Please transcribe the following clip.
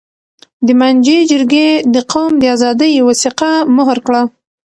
د مانجې جرګې د قوم د آزادۍ وثیقه مهر کړه.